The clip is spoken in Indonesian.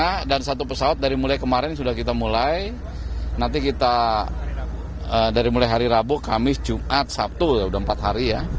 hari rabu kamis jumat sabtu sudah empat hari ya